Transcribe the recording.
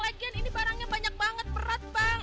lagian ini barangnya banyak banget perat bang